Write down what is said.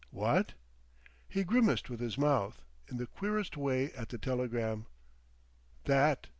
"What?" He grimaced with his mouth—in the queerest way at the telegram. "That."